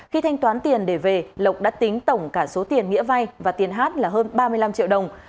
khi thanh toán tiền để về lộc đã tính tổng cả số tiền nghĩa vay và tiền hát là hơn ba mươi năm triệu đồng